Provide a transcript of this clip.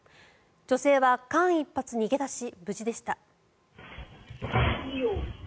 女性は間一髪逃げ出し無事でした。